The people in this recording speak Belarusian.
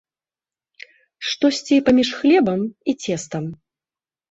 Штосьці паміж хлебам і цестам.